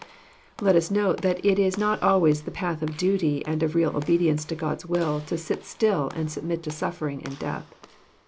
Let us note that it Is not always the path of duty and of real obedience to God's will to sit still and submit to sufferings and death.